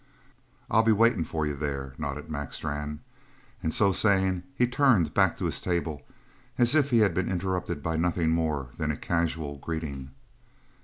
"I'll be waiting for you there," nodded Mac Strann, and so saying, he turned back to his table as if he had been interrupted by nothing more than a casual greeting.